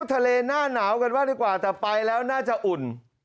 ทะเลหน้าหนาวกันบ้างดีกว่าแต่ไปแล้วน่าจะอุ่น